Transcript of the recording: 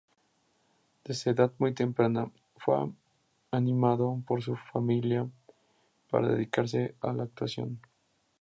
Desde edad muy temprana fua animado por su familia para dedicarse a la actuación.